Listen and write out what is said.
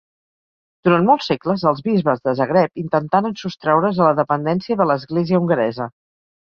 Durant molts segles els bisbes de Zagreb intentaren sostraure's a la dependència de l'església hongaresa.